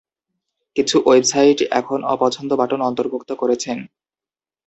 কিছু ওয়েবসাইট এখন অপছন্দ বাটন অন্তর্ভুক্ত করেছেন।